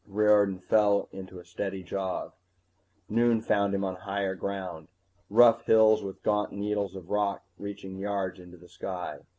Riordan fell into a steady jog. Noon found him on higher ground, rough hills with gaunt needles of rock reaching yards into the sky.